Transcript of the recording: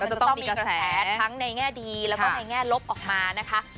จะต้องมีกระแสทั้งในแง่ดีแล้วก็ในแง่ลบออกมานะคะ